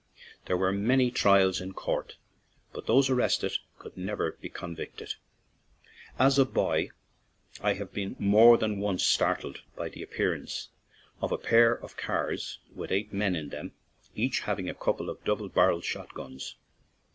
There were many trials in court, but those arrested could never be convicted. As a boy I have been more than once startled by the appearance of a pair of cars with eight men on them, each having a couple of double barreled shotguns.